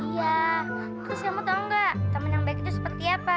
iya terus kamu tahu nggak teman yang baik itu seperti apa